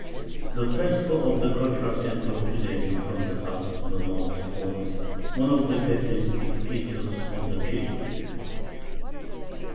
The transfer of the cultural center of Judaism from the south to the north forms one of the characteristic features of the period.